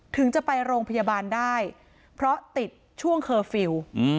ถึงจะไปโรงพยาบาลได้เพราะติดช่วงเคอร์ฟิลล์